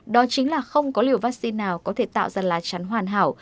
đó chính là không có liều vaccine nào có thể tạo ra lá chắn hoàn hảo